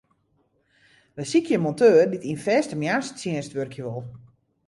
Wy sykje in monteur dy't yn fêste moarnstsjinst wurkje wol.